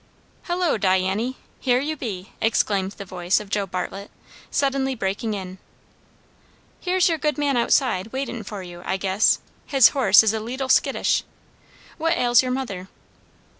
"Hullo, Diany! here you be!" exclaimed the voice of Joe Bartlett, suddenly breaking in. "Here's your good man outside, waitin' for you, I guess; his horse is a leetle skittish. What ails your mother?"